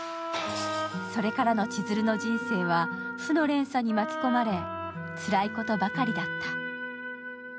それからの千鶴の人生は負の連鎖に巻き込まれ、つらいことばかりだった。